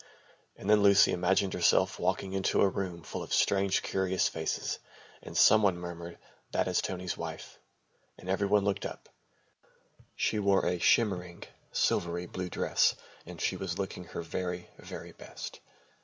And then, Lucy imagined herself walking into a room full of strange, curious faces and some one murmured, "That is Tony's wife," and every one looked up. She was wearing a shimmering, silvery blue dress and she was looking her very, very best.